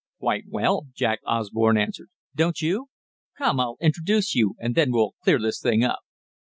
"Quite well," Jack Osborne answered, "Don't you? Come, I'll introduce you, and then we'll clear this thing up."